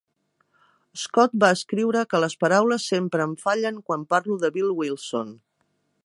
Scott va escriure que les paraules sempre em fallen quan parlo de Bill Wilson.